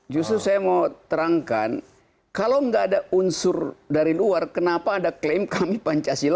justru saya mau terangkan kalau nggak ada unsur dari luar kenapa ada klaim kami pancasila